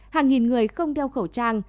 hàng nghìn người không đeo khẩu trang